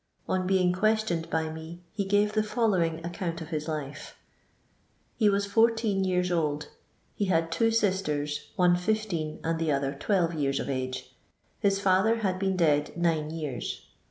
On being questioned by me he gave the following account of his life :—^ He was fourteen years old. He had two sisters, one fifteen and the other twelre yean of age. His &ther had been dead nine years.